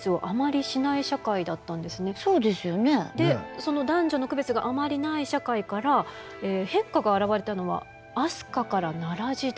その男女の区別があまりない社会から変化が現れたのは飛鳥から奈良時代。